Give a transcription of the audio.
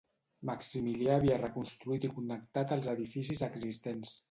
Maximilià havia reconstruït i connectat els edificis existents.